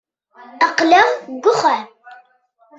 Aql-aɣ deg wexxam.